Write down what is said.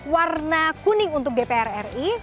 warna kuning untuk dpr ri